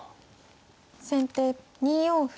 先手２四歩。